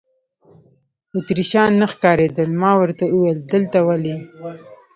اتریشیان نه ښکارېدل، ما ورته وویل: دلته ولې.